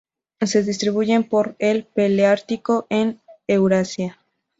Se distribuyen por el paleártico en Eurasia.